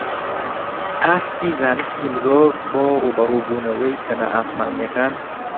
ئاستی زانستی مرۆڤ بۆ ڕووبەڕووبوونەوەی تەنە ئاسمانییەکان